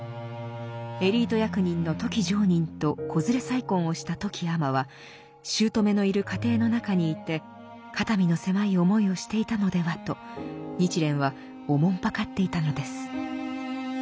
エリート役人の富木常忍と子連れ再婚をした富木尼は姑のいる家庭の中にいて肩身の狭い思いをしていたのではと日蓮は慮っていたのです。